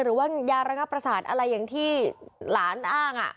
หรือว่ายาระงับประสาทอะไรอย่างที่หลานอ้าง